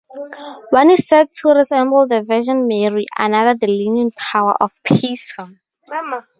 One is said to resemble the Virgin Mary, another the Leaning Tower of Pisa.